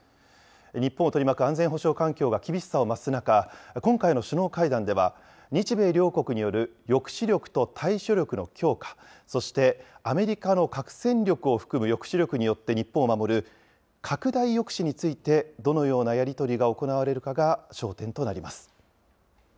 日本を取り巻く安全保障環境が厳しさを増す中、今回の首脳会談では、日米両国による抑止力と対処力の強化、そしてアメリカの核戦力を含む抑止力によって日本を守る、拡大抑止について、どのようなやり取りが行われるかが焦点となります。